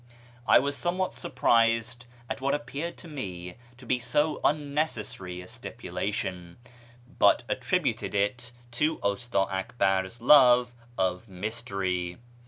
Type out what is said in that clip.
I was somewhat surprised at what appeared to me so unnecessary a stipulation, but attributed it to Usta Akbar's love of mystery.